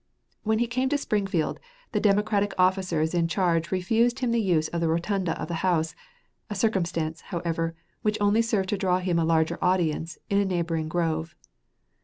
When he came to Springfield, the Democratic officers in charge refused him the use of the rotunda of the House, a circumstance, however, which only served to draw him a larger audience in a neighboring grove.